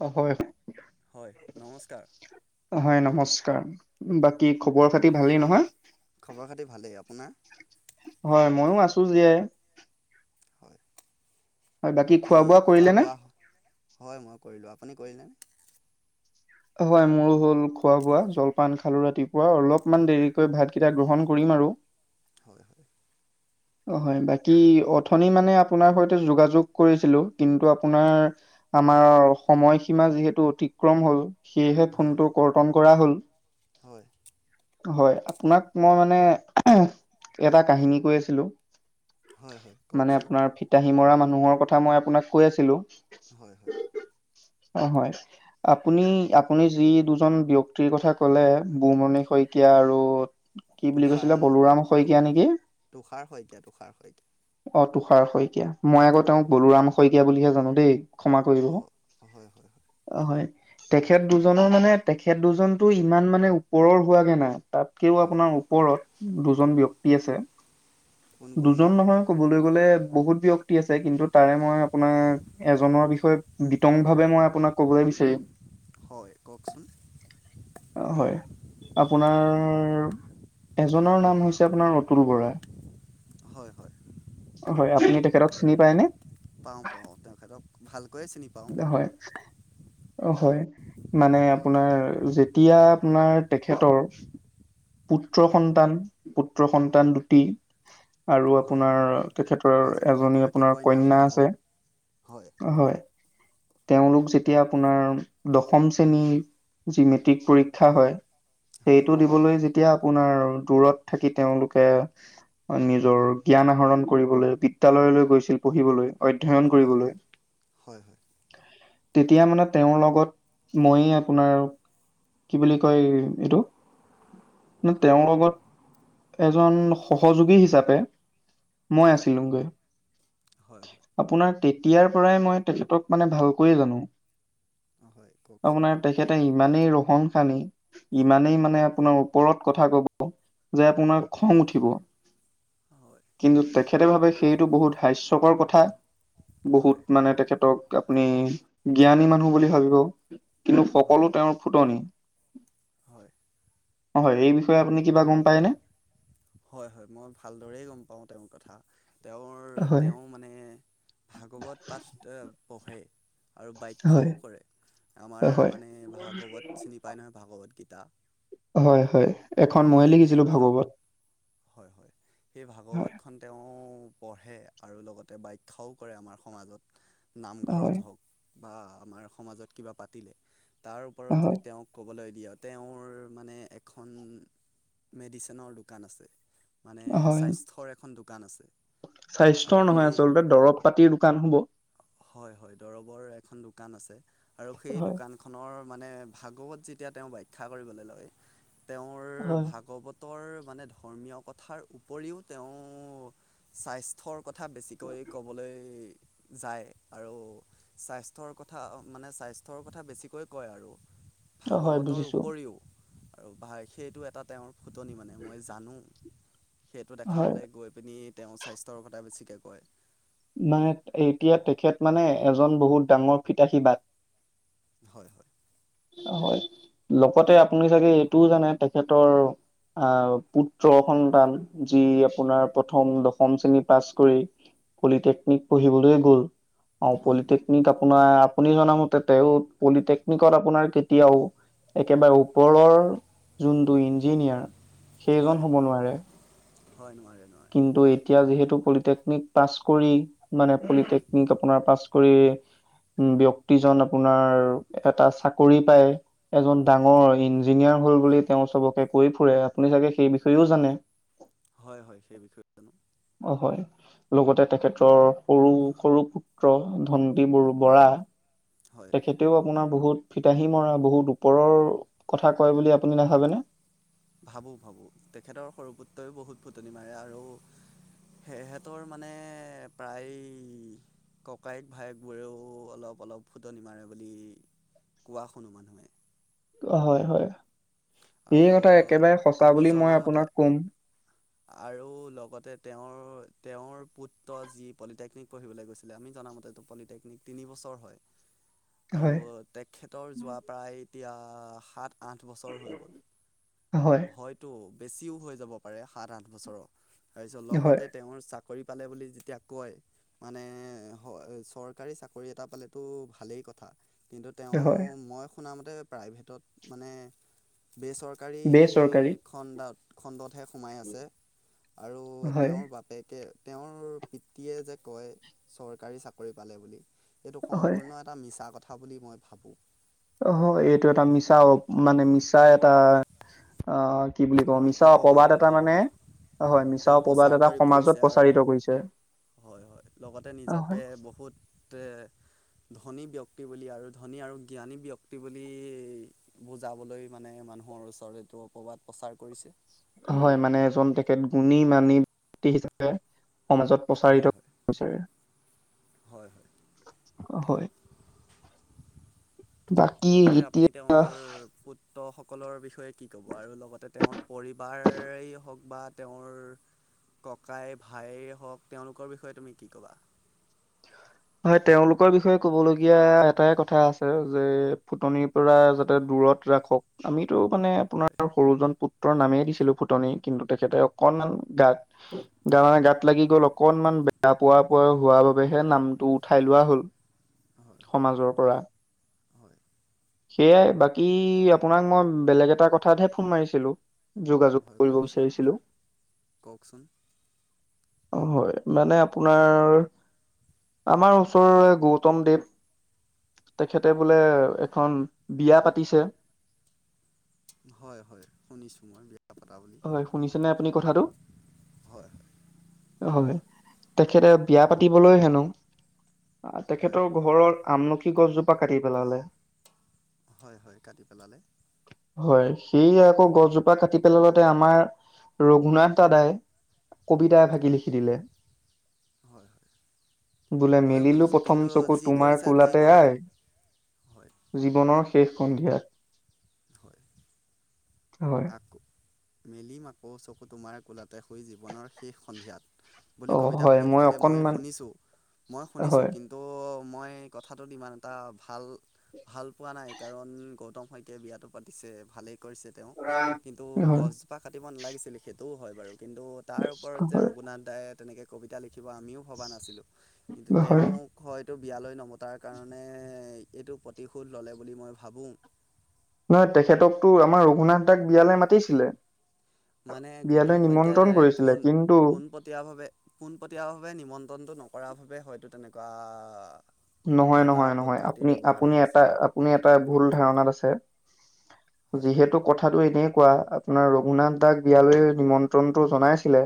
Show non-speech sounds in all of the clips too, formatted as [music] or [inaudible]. অ' হয়। হয়, নমস্কাৰ। অ হয় নমস্কাৰ উম বাকী খবৰ - খাতি ভালেই নহয়? খবৰ খাতি ভালেই, আপোনাৰ? হয়, ময়ও আছো জীয়াই। হয়, হয় বাকী বোৱা খোৱা কৰিলে নে বোৱা? হয় মই কৰিলোঁ, আপুনি কৰিলেনে? অ হয় মোৰো হ'ল খোৱা বোৱা, জলপান খালোঁ ৰাতিপুৱা অলপমান দেৰিকৈ ভাতকেইটা গ্ৰহণ কৰিম আৰু। হয় হয়। অ' হয়, বাকী অথনি মানে আপোনাৰ সৈতে যোগাযোগ কৰিছিলো কিন্তু আপোনাৰ আমাৰ সময়সীমা যিহেতু অতিক্ৰম হ'ল সেয়েহে হয় ফোনটো কৰ্তন কৰা হ'ল। হয়। হয়, আপোনাক মই মানে এহ এটা কাহিনী কৈ আছিলোঁ। হয় হয় মানে কওকচোন আপোনাৰ ফিতাহী মৰা মানুহৰ কথা মই আপোনাক কৈ আছিলোঁ। হয় হয়। অ' হয়। আপুনি আপুনি যি দুজন ব্যক্তিৰ কথা ক'লে বুমণি শইকীয়া আৰু কি বুলি কৈছিলে বলোৰাম শইকীয়া নেকি? তোষাৰ শইকীয়া, তোষাৰ শইকীয়া। অ' তুষাৰ শইকীয়া। মই আকৌ তেওঁক হয় বলোৰাম শইকীয়া বুলিহে জানো দেই। ক্ষমা কৰিব। অঁ হয় হয় হয় অ' হয়, তেখেত দুজনৰ মানে তেখেত দুজনতো ইমান মানে ওপৰৰ হোৱাগে না তাতকেও আপোনাৰ ওপৰত উম দুজন ব্যক্তি আছে কোন কোন দুজন বা? নহয় ক'বলৈ গ'লে বহুত ব্যক তি আছে কিন্তু তাৰে মই আপোনাৰ এজনৰ বিষয়ে বিতং ভাৱে মই আপোনাক কবলৈ বিচাৰিম। হয়, কওকচোন? অ হয়, আপোনাৰ এজনৰ নাম হৈছে আপোনাৰ অতুল বৰা। হয় হয়। হয়, আপুনি তেখেতক চিনি পায়নে? পাওঁ পাওঁ, তেখতক ভালকৈয়ে চিনি পা হয়। অ হয়, মানে আপোনাৰ যেতিয়া আপোনৰ তেখেতৰ পুত্ৰ সন্তান, পুত্ৰ সন্তান দুটি আৰু হয়। আপোনাৰ তেখেতৰ এজ এজনী এগৰাকী আপোনাৰ কন্যা সন্তান আছে, হয় হয়। তেওঁলোক যেতিয়া আপোনাৰ দশম শ্ৰেণীৰ যি মেট্ৰিক পৰীক্ষা হয় হয় সেইটো হয় দিবলৈ যেতিয়া আপোনাৰ দূৰত থাকি তেওঁলোকে নিজৰ জ্ঞান আহৰণ কৰিবলৈ বিদ্যালয়লৈ গৈছিল পঢ়িবলৈ, অধ্যয়ন হয় কৰিবলৈ হয় হয়। তেতিয়া মানে তেওঁৰ লগত ময়ে আপোনাৰ কি বুলি কয় এইটো নে তেওঁৰ লগত এজন সহযোগী হিচাপে মই হয় আছিলোগৈ। হয় হয় আপোনাৰ তেতিয়াৰ পৰাই মই তেখেতক মানে ভালকৈয়ে জানো, হয় কওকচোন আপোনৰ তাৰপৰা তেখেতে ইমানেই ৰহন খানি ইমানেই মানে আপোনাৰ ওপৰত কথা ক'ব যে আপোনাৰ খং হয় উঠিব হয় কিন্তু তেখেতে ভাবে সেইটো বহুত হাস্যকৰ কথা। হয় বহুত মানে তেখেতক আপুনি জ্ঞানী মানুহ বুলি ভাবিব। কিন্তু হয় সকলো তেওঁৰ ফুটনি। হয়। হয়, এই বিষয়ে আপুনি কিবা গম পাইনে? হয় হয়, মই ভালদৰেই গম পাও তেওঁৰ কথা, তেওঁৰ হয় তেওঁ মানে ভাগৱত পাঠ পঢ়ে। আৰু হয় বাখ্যাও কৰে, আমাৰ হয় মানে ভাগৱত চিনি পাই নহয় ভাগৱত গীতা? হয় হয়, এখন মই হয় সেই লিখিছিলো ভাগ ভাগৱত। হয় হয়। সেই হয়, ভাগৱতখন তেওঁ পঢ়ে আৰু লগতে বাাখ্যাও কৰে আমাৰ সমাজত। হয়, নামঘৰত হওক বা আমাৰ সমাজত কিবা পাতিলে তাৰ ওপৰত হয়, যদি তেওঁক ক'বলৈ দিয়ে, তেওঁৰ মানে এখন মেডিচিনৰ দোকান আছে মানে হয়। স্বাস্থ্যৰ এখন দোকান আছে। আৰু স্বাস্থ্যৰ নহয় সেই আচলতে দৰব পাতিৰ দোকান হব। হয় হয় দৰবৰ এখন দোকান আছে, আৰু সেই হয়, দোকান খনৰ মানে ভাগৱত যেতিয়া তেওঁ ব্যাখ্যা কৰিবলৈ লয়, তেওঁৰ হয়, ভাগৱত তৰ মানে ধৰ্মীয় কথাৰ উপৰিও তেওঁ স্বাস্থ্যৰ থৰ কথা বেছিকৈ ক'বলৈ যায় আৰু স্বাস্থ্যৰ কথা মানে স্বাস্থ্যৰ কথা বেছিকৈ কয় আৰু। হয় ভাগৱতৰ বুজিছোঁ। উপৰিও আৰু সেইটো এটা তেওঁৰ ফুটনি মানে মই জানো, সেইটো হয়, দেখাবলৈ গৈ পিনি তেওঁ স্বাস্থ্যৰ কথা বেছিকৈ কয়। মানে এতিয়া তেখেত মানে এজন বহুত ডাঙৰ ফিতাহীবাদ। হয় হয়। হয় লগতে আপুনি চাগে এইটোও জানে তেখেতৰ আহ পুত্ৰ সন্তান যি আপোনাৰ প্ৰথম দশম শ্ৰেণী পাছ কৰি পলিটেকনিক পঢ়িবলৈ গ'ল। অ', হয় পলিটেকনিক আপোনাৰ, আপুনি জনামতে তেওঁ পলিটেকনিকৰ আপোনাৰ কেতিয়াও, একেবাৰে ওপৰৰ যোনটো ইঞ্জিনিয়াৰ সেইজন হয় হ'ব নোৱাৰে। হয়, নোৱাৰে, নোৱাৰে। কিন্তু এতিয়া যিহেতু পলিটেকনিক পাছ কৰি, মানে পলিটেকনিক আপোনাৰ পাছ কৰি, ব্যক্তিজন আপোনাৰ এটা চাকৰি পায়। এজন ডাঙৰ ইঞ্জিনিয়াৰ হ'ল বুলি তেওঁ চবকে কৈ ফুৰে, আপুনি চাগে সেই বিষয়েও জানে? হয়, হয়, সেই বিষয়ে জানো। অ', হয়। লগতে তেখেতৰ সৰু, সৰু পুত্ৰ, ধণ্টী ব, বৰা। হয়। তেখেতেও আপোনাৰ বহুত ফিতাহী মৰা, বহুত ওপৰৰ কথা কয় বুলি আপুনি নাভাবেনে? ভাবোঁ, ভাবোঁ, তেখেতৰ সৰু পুত্ৰইও বহুত ফুটনি মাৰে, আৰু সিহঁতৰ মানে প্ৰায় ককায়েক, ভায়েকবোৰেও অলপ-অলপ ফুটোনি মাৰে বুলি, কোৱা শুনো মানুহে। অ', হয়, হয়, ই আৰু এটা একেবাৰে সঁচা আমি বুলি মই জনামতে আপোনাক কম। আৰু লগতে তেওঁৰ, তেওঁৰ পুত্ৰ যি পলিটেকনিক পঢ়িবলৈ গৈছিলে, আমি জনামতে পলিটেকনিক তিনিবছৰ হয়। আৰু হয়, তেখেতৰ যোৱা প্ৰায় এতিয়া সাত আঠ বছৰ হৈ গ'ল, গ'ল হয়, হয়তো বেছিও হৈ যাব পাৰে সাত, আঠ বছৰৰ, তাৰপিছত হয়, লগতে তেওঁৰ চাকৰি পালে বুলি যেতিয়া কয়। মানে হ, চৰকাৰী চাকৰি এটা পালেতো ভালেই কথা। কিন্তু হয়। তেওঁ মই শুনামতে প্ৰাইভেটত মানে বেচৰকাৰী বেচৰকাৰী কৰী খণ্ডাত, খণ্ডত হে সোমাই আছে, আৰু হয়, তেওঁৰ বাপেকে, তেওঁৰ পিতৃয়ে যে কয়, চৰকাৰী চাকৰি পালে বুলি, এইটো হয়, সম্পূৰ্ণ এটা মিছা কথা বুলি মই ভাবোঁ। হয়, এইটো এটা মিছা, মানে মিছা এটা অ', কি বুলি কওঁ, মিছা অপবাদ অপবাত এটা মানে অপবাদ হয়, মিছা তেওঁ অপবাদ প্ৰচাৰ এটা কৰি সমাজত ফুৰিছে আৰু প্ৰচাৰিত কৰিছে। হয়, হয়, লগতে নিজকে বহুত ধনী ব্যক্তি বুলি, আৰু ধনী আৰু জ্ঞানী ব্যক্তি বুলি বুজাবলৈ মানে মানুহৰ ওচৰৰত এইটো অপবাদ প্ৰচাৰ কৰিছে। হয়, মানে এজন তেখেত গুণী-মানি [unintelligible] হিচাপে সমাজত প্ৰচাৰিত, হয় হয় হয় হয় [unintelligible] হয়। বাকী লগতে আপুনি এতিয়া তেওঁৰ ফুত তৰ সকলৰ বিষয়ে কি ক'ব, আৰু লগতে তেওঁৰ পৰিবাৰেই হওক বা তেওঁৰ ককাই, ভায়েৰ হওক, তেওঁলোকৰ বিষয়ে তুমি ক'বা? হয়, তেওঁলোকৰ বিষয়ে ক'বলগীয়া এটাই কথা আছে, যে ফুটনিৰ পৰা যাতে দূৰত ৰাখক, আমিতো মানে আপোনাৰ হয় সৰুজন পু টৰ নামেই দিছিলো ফুটনি, কিন্তু তেখেতে অকনমান গাত মানে গাত লাগি গ'ল, অকনমান বেয়া পোৱা-পোৱা হোৱা বাবেহে নাম টো উঠাই লোৱা হ'ল, হয় হয় সমাজৰ পৰা। হয় সেয়াই, বাকী আপোনাক মই বেলেগ এটা কথাতহে ফোন মাৰিছিলো। হয় কওকচোন, কওকচোন? হয়, আপোনাৰ আমাৰ ওচৰৰে গৌতমদেৱ তেখেতে বোলে এখন বিয়া পাতিছে। হয় হয়, শুনিছো মই। পাতা বুলি হয়, শুনিছে নে আপুনি কথাটো? হয় হয় হলে, তেখেতে বিয়া পাতিবলৈ হেনো, হয় তেখেতৰ ঘৰত আমলখি গছজোপা কাটি পেলালে। হয় হয়, কাটি পেলালে। হয়, সি আকৌ গছজোপা কাটি পেলালে তে আমাৰ ৰঘুনাথ দাদাই কবিতাই এফাঁকি লিখি দিলে। সি ই ই হয়। বোলে ময়ো মেলিলোঁ শুনিছোঁ প্ৰথম কিন্তু চকু যি তোমাৰ কৰিছে যি কোলাতে কৰি আই হয় জীৱনৰ শেষ সন্ধিয়াত। হয়। হয়। আকৌ, মেলিম আকৌ চকু তোমাৰ কোলাতে শুই জীৱনৰ শেষ সন্ধিয়াত। বুলি অ কবিতা হয় ফাঁকি লিখিলে মই অকনমান শুনিছোঁ, মই শুনিছোঁ, হয় কিন ত' মই কথাটোত ইমান এটা ভাল ভাল পোৱা নাই, কাৰণ গৌতম শইকীয়াই বিয়াটো পাতিছে, ভালেই কৰিছে তেওঁ। হয় কিন্তু হয় গছজোপা কাটিব নালাগিছিল সেইটোও হয় বাৰু কিন্তু তাৰ ওপৰত যে ৰঘুনাথ দাই তেনেকৈ কবিতা লিখিব আমিও ভবা নাছিলোঁ, ইহ্ কিন্তু তেওঁ হয় হয়তো বিয়ালৈ নমতাৰ কাৰণে এইটো প্ৰতিশোধ ল'লে বুলি মই ভাবোঁ। নহয় তেখেতকতো, আমাৰ ৰঘুনাথ দাক বিয়ালৈ মাতিছিলে। মানে বিয়ালৈ গৌতম শইকীয়াই নিমন্ত্ৰণ ডাইৰেক্ট কৰিছিলে ফোন কিন্তু ফোনত টিয়া ভাৱে, পোনপটীয়া ভাৱে নিমন্ত্ৰণটো নকৰা বাবে হয়তো তেনেকুৱা আ আ আ নহয় নহয় নহয়, আপুনি আপুনি কৰিছে এটা, আপুনি এটা ভুল ধাৰণাত আছে। হয় যিহেতু কথাটো এনেকোৱা, আপোনাৰ ৰঘুনাথ দাক বিয়ালৈ নিমন্ত্ৰণটো জনাইছিলে।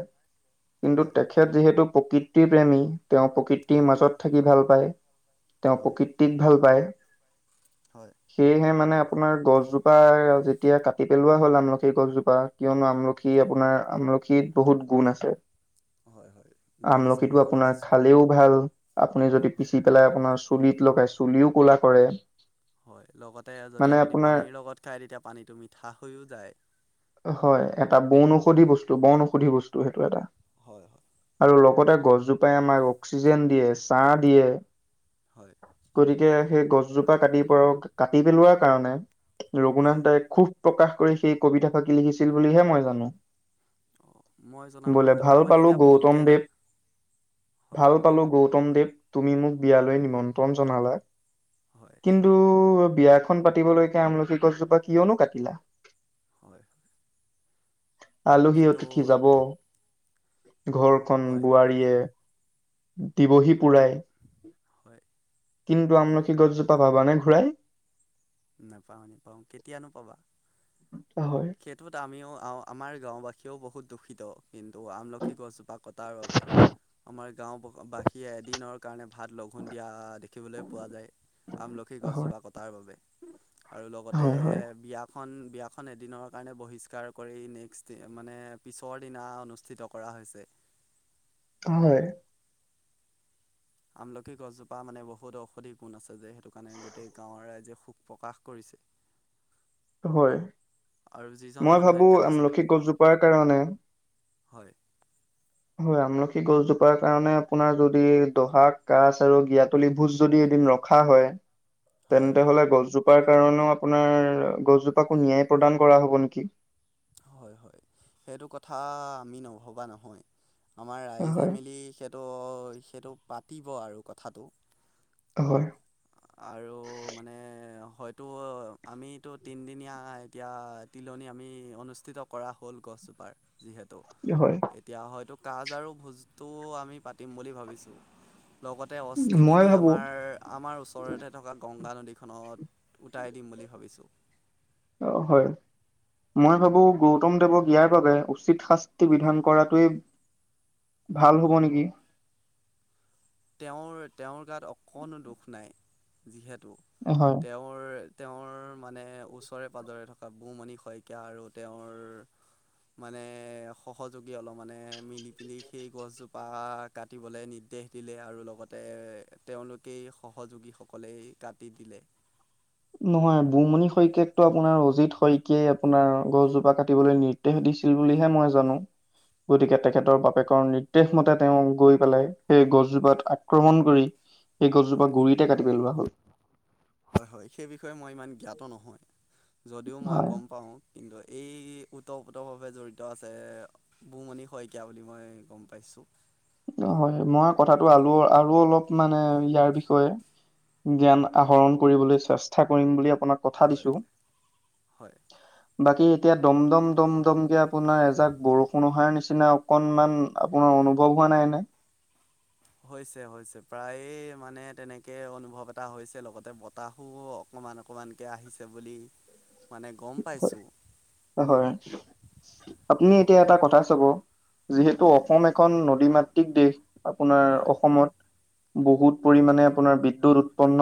কিন্তু হয় তেখেত যিহেতু প্ৰকৃতিৰ প্ৰেমী, তেওঁ প্ৰকৃতিৰ হয় মাজত থাকি ভাল পায়। তেওঁ হয় প্ৰকৃতিক ভাল পায়। হয়। সেয়েহে মানে আপোনাৰ গছজোপা যেতিয়া কাটি পেলোৱা হ'ল আমলখিৰ গছজোপা। কিয়নো আমলখি আপোনাৰ আমলখিত বহুত গুণ আছে। হয় হয় গুণ আছে মই আমলখিটো গম আপোনাৰ পাইছোঁ খালেও ভাল। আপুনি যদি হয় পিচি পেলাই আপোনাৰ চুলিত লগাই চুলিও ক'লা কৰে। হয়, লগতে যদি মানে আপুনি আপোনাৰ পানীৰ লগত খায় তেতিয়া পানীটো মিঠা হৈয়ো যায়। হয়, এটা বন ঔষধি বস্তু, বন ঔষধি বস্তু সেইটো এটা। হয়, হয়। আৰু লগতে গছজোপাই আমাক অক্সিজেন দিয়ে ছাঁ দিয়ে। হয়। গতিকে সেই গছজোপা কাটি পৰাও কাটি পেলোৱাৰ কাৰণে হয় ৰঘুনাথদাই খুব প্ৰকাশ কৰি সেই কবিতাফাকি লিখিছিল বুলিহে মই জানোঁ। অঁ মই বোলে জনামতেতো ভাল মই পালোঁ তেতিয়া গৌতম ভুলকৈ জ দেৱ, হয় ভাল পালোঁ, গৌতম দেৱ তুমি মোক বিয়ালৈ নিমন্ত্রণ জনালা। হয়। কিন্তু বিয়াখন পাতিবলৈকে আমলখি গছজোপা কিয়নো কাটিলা? হয়। আলহী কিন্তু অতিথি যাব, ঘৰখন হয় বোৱাৰীয়ে দিবহি পুৰায়। হয়। কিন্তু আমলখি গছজোপা পাবা নে ঘূৰাই? নাপাওঁ, নেপাওঁ, কেতিয়ানো পাবা। হয়। সেইটোত আমিও আ আমাৰ গাঁওবাসীয়েও বহুত দুখিত। কিন্তু আমলখি গছজোপা কটাৰ বাবে। আমাৰ গাঁও ব বাসীয়ে এদিনৰ কাৰণে ভাত লঘোণ দিয়া দেখিবলৈ পোৱা যায়। আমলখি হয় গছজোপা কটাৰ বাবে আৰু লগতে হয় হয় বিয়া খন, বিয়াখন এদিনৰ কাৰণে বহিষ্কাৰ কৰি নেক্সট ডে মানে পিছৰ দিনা অনুষ্ঠিত কৰা হৈছে। হয়। আমলখি গছজোপা মানে বহুত ঔষধি গুণ আছে যে সেইটো কাৰণে গোটেই গাঁৱৰ ৰাইজে সুখ প্ৰকাশ কৰিছিল। হয়, আৰু যিজন মই মানুহে ভাবো কাটিছিলে আমলখি গছজোপাৰ কাৰণে হয়। হয়, আমলখি গছজোপাৰ কাৰণে আপোনাৰ যদি দহা কাছ আৰু জ্ঞাতলি ভোজ যদি এদিন ৰ খা হয় [inaudible] তেন্তে হয়। হ'লে গছজোপাৰ কাৰণেও আপোনাৰ গছজোপাকো ন্যায় প্ৰদান কৰা হ'ব নেকি? হয়, হয়। সেইটো কথা আমি নভবা নহয়, আমাৰ ৰাইজে হয়, মিলি সে ইটো, সেইটো পাতিব আৰু কথাটো। হয়। আৰু মানে হয়তো আমিতো তিনিদিনীয়া এতিয়া তিলনি আমি অনুষ্ঠিত কৰা হ'ল গছজোপাৰ যিহেতু। হয় এতিয়া হয়তো কাজ আৰু ভোজটো আমি পাতিম বুলি ভাবিছো লগ তে মই অস্থিখিনি ভাবো আমাৰ আমাৰ ওচৰতে থকা গংগা নদীখনত উটাই দিম বুলি ভাবিছো। অ হয়। মই ভাবো গৌতমদেৱক ইয়াৰ বাবে উচিত শাস্তি বিধান কৰাটোৱেই ভাল হ'ব নেকি। তেওঁৰ তেওঁৰ গাত অকণো দুখ নাই যিহেতু হয়। তেওঁৰ তেওঁৰ মানে ওচৰে পাজৰে থকা বুমণি শইকীয়া আৰু তেওঁৰ মানে সহযোগী অলপ মানে মিলি পিনি সেই গছজোপা কাটিবলৈ নিৰ্দেশ দিলে আৰু লগতে তেওঁলোকেই সহযোগীসকলেই কাটি দিলে। নহয় বুমণি শইকীয়াকতো আপোনাৰ অজিত শইকীয়াই আপোনাৰ গছজোপা কাটিবলৈ নি ৰ্দেশ দিছিল বুলিহে মই জানো। গতিকে তেখেতৰ বাপেকৰ নিৰ্দেশ মতে তেওঁ গৈ পেলাই সেই গছজোপাত আক্ৰমণ কৰি সেই গছজোপ হয় গুৰিতে কাটি পেলোৱা হ'ল। হয় হয় সেই বিষয়ে মই ইমান জ্ঞাত নহয় যদিও মই হয়, গম পাওঁ। কিন্তু এই ওতঃপোতভাৱে জড়িত আছে। বুমণি শইকীয়া বুলি মই গম পাইছোঁ। হয়, মই কথাটো আল আৰু অলপ মানে ইয়াৰ বিষয়ে জ্ঞান আহৰণ কৰিবলৈ চেষ্টা কৰিম বুলি আপোনাক কথা হয় দিছো। হয় হয় বাকী এতিয়া দম দম দম দম কে আপোনাৰ এজাক বৰষুণ অহাৰ নিচিনা অকনমান আপোনাৰ অনুভৱ হোৱা নাই নাই। হৈছে হৈছে প্ৰায়ে মানে তেনেকে অনুভৱ এটা হৈছে লগতে বতাহো অকণমান অকণমানকৈ আহিছে বুলি মানে গম পাইছোঁ। হয়, আপুনি এতিয়া এটা কথা চাব যিহেতু হয় অসম এক এই খন নদী মাতৃক দেশ আপোনাৰ হয়। অসমত বহুত পৰিমাণে আপোনাৰ বিদ্যুৎ উৎপন্ন